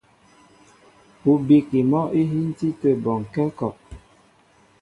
Ú bíkí mɔ́ íhíntí tə̂ bɔnkɛ́ a kɔ.